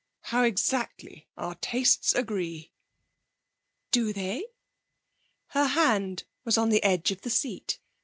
'How exactly our tastes agree.' 'Do they?' Her hand was on the edge of the seat.